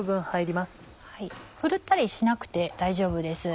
ふるったりしなくて大丈夫です。